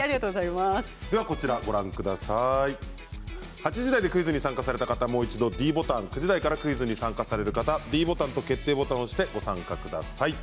８時台でクイズに参加された方はもう一度ｄボタン９時台からの方はｄボタンと決定ボタンを押してご参加ください。